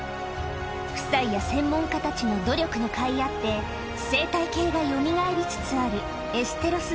夫妻や専門家たちの努力のかいあって生態系がよみがえりつつあるエステロス